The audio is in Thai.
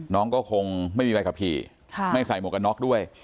น้องก็คงไม่มีใบขับขี่ไม่ใส่หมวกกันน็อกด้วย